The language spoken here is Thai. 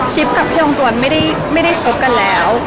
กับพี่องตวนไม่ได้คบกันแล้ว